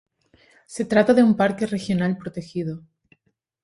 Se trata de un Parque Regional protegido.